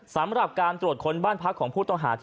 สำหรับการตรวจค้นบ้านพักของผู้ต้องหา